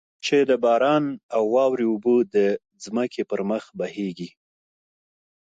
چې د باران او واورې اوبه د ځمکې پر مخ بهېږي.